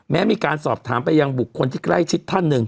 มีการสอบถามไปยังบุคคลที่ใกล้ชิดท่านหนึ่ง